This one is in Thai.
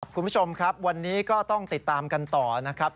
คุณผู้ชมครับวันนี้ก็ต้องติดตามกันต่อนะครับ